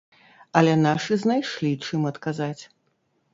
Але нашы знайшлі, чым адказаць.